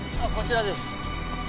あっこちらです。